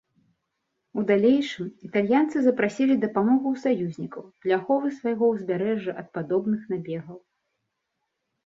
У далейшым італьянцы запрасілі дапамогу ў саюзнікаў для аховы свайго ўзбярэжжа ад падобных набегаў.